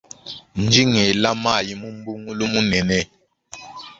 Ndi ngela mayi mu mbungulu munene.